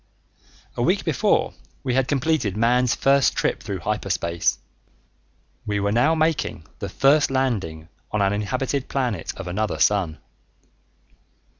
A week before we had completed man's first trip through hyperspace. We were now making the first landing on an inhabited planet of another sun.